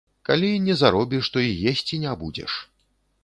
Калі не заробіш, то і есці не будзеш.